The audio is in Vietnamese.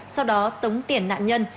sau đó tống tiền nạn nhân